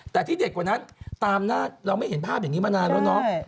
แต่ที่เด็ดกว่านั้นตามหน้าเราไม่เห็นภาพอย่างนี้มานานแล้วเนาะ